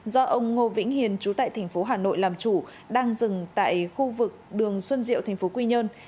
do ông ngô vĩnh hiền chú tại thành phố hà nội làm chủ đang dừng tại khu vực đường xuân diệu thành phố quy nhơn